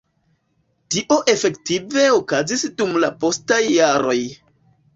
Tio efektive okazis dum la postaj jaroj.